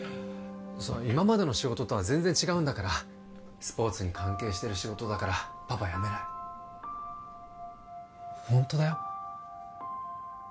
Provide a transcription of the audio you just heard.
今までの仕事とは全然違うんだからスポーツに関係してる仕事だからパパやめないホントだよ